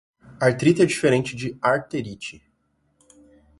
Artrite é diferente de Arterite